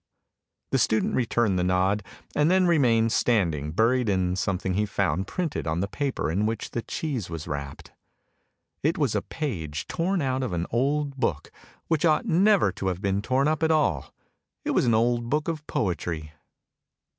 " The student returned the nod, and then remained standing buried in some thing he found printed on the paper in which the cheese was wrapped. It was a page torn out of an old book, which ought never to have been torn up at all; it was an old book of poetry.